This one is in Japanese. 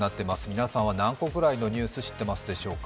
皆さんは何個ぐらいのニュース、知ってますでしょうか？